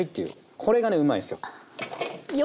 これがねうまいんすよ。